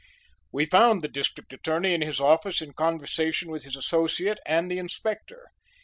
We found the District Attorney in his office in conversation with his associate and the Inspector.